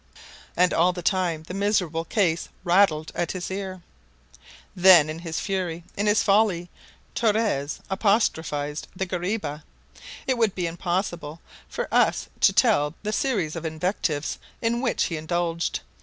And all the time the miserable case rattled at his ear. Then in his fury, in his folly, Torres apostrophized the guariba. It would be impossible for us to tell the series of invectives in which he indulged.